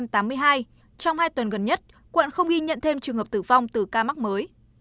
trong hai tuần gần nhất quận không ghi nhận thêm trường hợp tử vong từ ca mắc mới